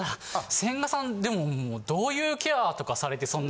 千賀さんでもどういうケアとかされてそんな。